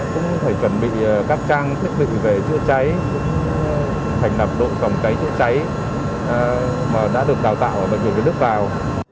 cũng phải chuẩn bị các trang thiết bị về chữa cháy thành lập độ phòng cháy chữa cháy đã được đào tạo và được lướt vào